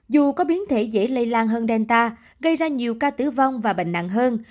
dù có biến thể dễ lây lan hơn delta gây ra nhiều ca tử vong và bệnh nặng hơn